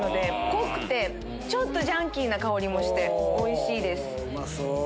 濃くてジャンキーな香りもしておいしいです。